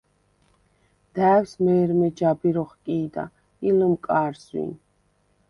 და̄̈ვს მე̄რმე ჯაბირ ოხკი̄და ი ლჷმკა̄რზვინ.